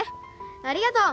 ありがとう